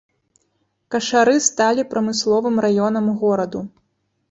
Кашары сталі прамысловым раёнам гораду.